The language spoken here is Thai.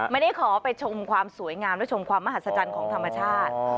ไม่ได้ขอไปชมความสวยงามและชมความมหัศจรรย์ของธรรมชาติ